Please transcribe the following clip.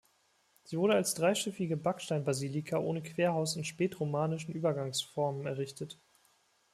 Sie wurde als dreischiffige Backstein-Basilika ohne Querhaus in spätromanischen Übergangsformen errichtet.